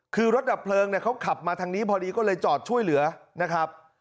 คือรถดับเพลิงเนี่ยเขาขับมาทางนี้พอดีก็เลยจอดช่วยเหลือนะครับ